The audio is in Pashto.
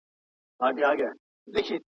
سود او سلم په اسلام کي حرام دي.